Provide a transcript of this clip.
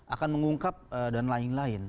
akan mengungkap dan lain lain